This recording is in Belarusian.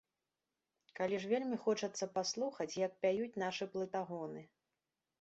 Калі ж вельмі хочацца паслухаць, як пяюць нашы плытагоны.